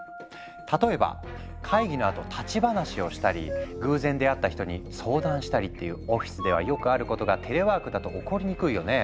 例えば会議のあと立ち話をしたり偶然出会った人に相談したりっていうオフィスではよくあることがテレワークだと起こりにくいよね。